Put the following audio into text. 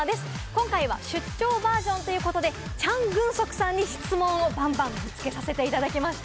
今回は出張バージョンということで、チャン・グンソクさんに質問をバンバンぶつけさせていただきました。